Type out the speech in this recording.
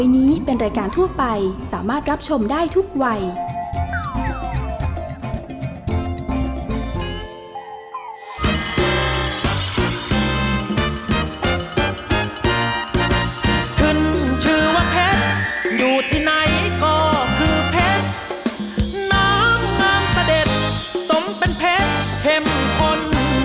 น้ำน้ำสะเด็ดสมเป็นเพชรเข็มขน